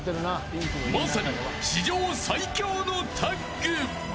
まさに史上最強のタッグ。